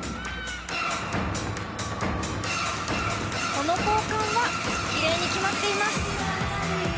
この交換は奇麗に決まっています。